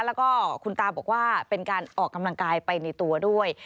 แล้วก็คุณตาบอกว่าเป็นการออกกำลังกายไปในตัวด้วย